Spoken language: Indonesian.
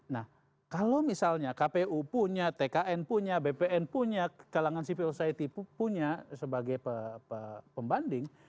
nah kalau misalnya kpu punya tkn punya bpn punya kalangan civil society punya sebagai pembanding